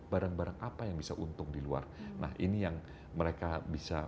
barang barang apa yang bisa untung di luar nah ini yang mereka bisa